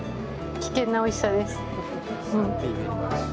危険なおいしさです。